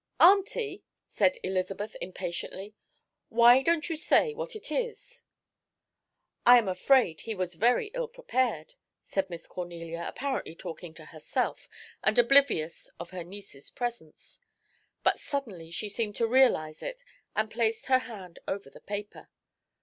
"Auntie," said Elizabeth, impatiently, "why don't you say what it is?" "I am afraid he was very ill prepared," said Miss Cornelia, apparently talking to herself and oblivious of her niece's presence. But suddenly she seemed to realize it and placed her hand over the paper.